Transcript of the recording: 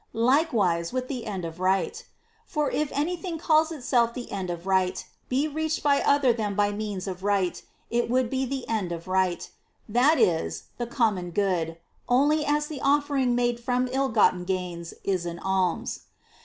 Likewise with the end of Right. For if anything calling itself the end of Right be reached other than by means of Right, it would be the end of Right, that is, the com mon good, only as the offering made from ill gotten gains is an alms.